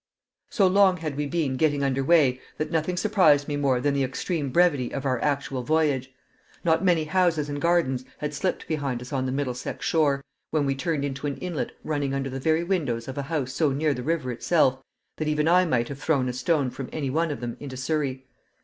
So long had we been getting under way that nothing surprised me more than the extreme brevity of our actual voyage. Not many houses and gardens had slipped behind us on the Middlesex shore, when we turned into an inlet running under the very windows of a house so near the river itself that even I might have thrown a stone from any one of them into Surrey.